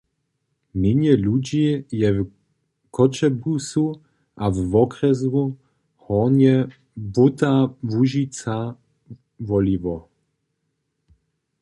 Mjenje ludźi je w Choćebuzu a we wokrjesu Hornje Błóta-Łužica woliło.